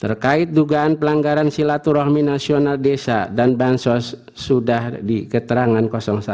terkait dugaan pelanggaran silaturahmi nasional desa dan bansos sudah di keterangan satu